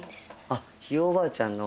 あっひいおばあちゃんの。